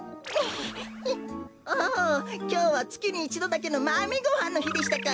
おおきょうはつきに１どだけのマメごはんのひでしたか。